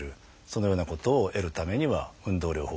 そのようなことを得るためには運動療法が必要です。